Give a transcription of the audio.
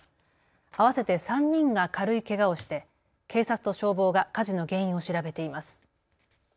合わせて３人が軽いけがをして警察と消防が火事の原因を調べています。